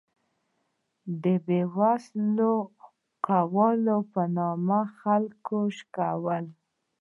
د بې وسلو کولو په نوم خلک شکول.